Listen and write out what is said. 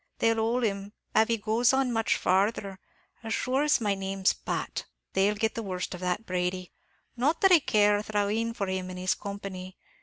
They'll hole him, av he goes on much farthur, as shure as my name's Pat." "They'll get the worst of that, Brady not that I care a thrawneen for him and his company.